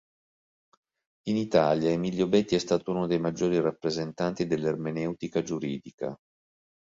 In Italia, Emilio Betti è stato uno dei maggiori rappresentanti dell'ermeneutica giuridica.